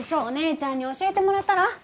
お姉ちゃんに教えてもらったら？